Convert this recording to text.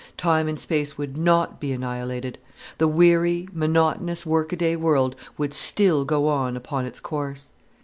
Time and space would not be annihilated. The weary, monotonous, workaday world would still go on upon its course.